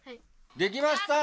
できました！